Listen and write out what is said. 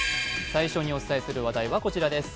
最初にお伝えする話題はこちらです。